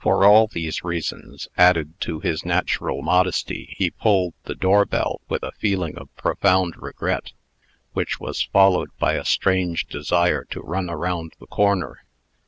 For all these reasons, added to his natural modesty, he pulled the door bell with a feeling of profound regret, which was followed by a strange desire to run around the corner.